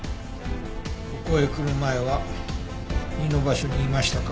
ここへ来る前は２の場所にいましたか？